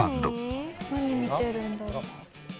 何見てるんだろう？